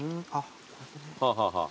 はあはあはあ。